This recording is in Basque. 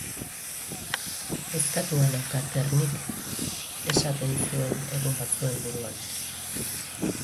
Kezkatua nauka Ternik, esaten zuen egun batzuen buruan.